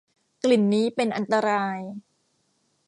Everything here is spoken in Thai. กลิ่นนี้เป็นอันตราย